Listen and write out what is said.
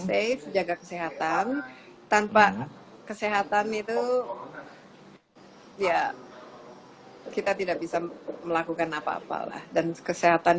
sate jaga kesehatan tanpa kesehatan itu ya kita tidak bisa melakukan apa apa lah dan kesehatan